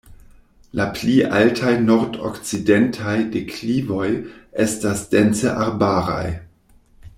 La pli altaj nordokcidentaj deklivoj estas dense arbaraj.